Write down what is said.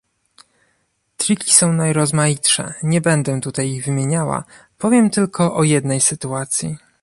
Triki są najrozmaitsze, nie będę tutaj ich wymieniała, powiem tylko o jednej sytuacji